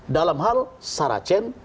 dalam hal saracen oke